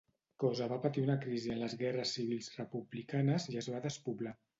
Cosa va patir una crisi en les guerres civils republicanes i es va despoblar.